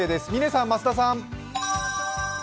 嶺さん、増田さん。